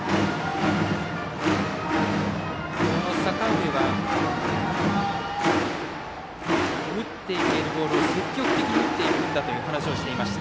阪上は、打っていけるボールを積極的に打っていくんだという話をしていました。